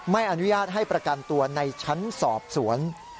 ไม่อนุญาตให้ประกันตัวในชั้นสอบสวน